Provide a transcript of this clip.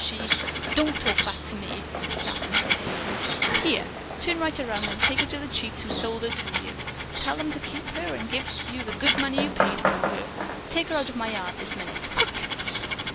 She " "Don't talk back to me!" snapped Mrs. Hazen. "Here! Turn right around and take her to the cheats who sold her to you. Tell them to keep her and give you the good money you paid for her. Take her out of my yard this minute! Quick!"